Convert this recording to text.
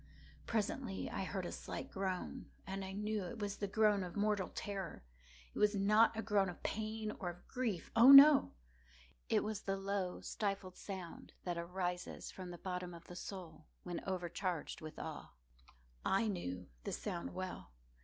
Presently I heard a slight groan, and I knew it was the groan of mortal terror. It was not a groan of pain or of grief—oh, no!—it was the low stifled sound that arises from the bottom of the soul when overcharged with awe. I knew the sound well.